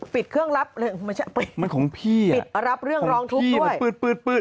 ปิดเครื่องรับมันช่างปิดปิดรับเรื่องรองทุกข์ด้วยมันของพี่